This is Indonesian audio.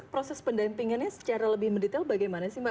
proses pendampingannya secara lebih mendetail bagaimana sih mbak